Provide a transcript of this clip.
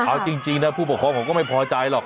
เอาจริงนะผู้ปกครองเขาก็ไม่พอใจหรอก